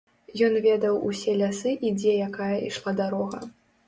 Ён ведаў усе лясы і дзе якая ішла дарога.